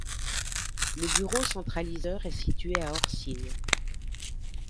Le bureau centralisateur est situé à Orcines.